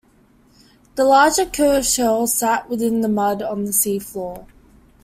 The larger, curved shell sat within the mud on the sea floor.